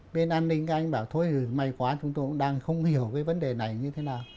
bên an ninh các anh bảo thôi may quá chúng tôi cũng đang không hiểu cái vấn đề này như thế nào